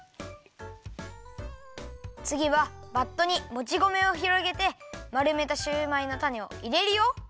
つぎはバットにもち米をひろげてまるめたシューマイのたねをいれるよ。